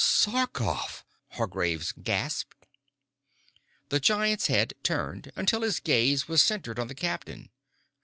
"Sarkoff!" Hargraves gasped. The giant's head turned until his gaze was centered on the captain.